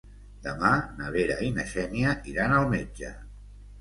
Demà na Vera i na Xènia iran al metge.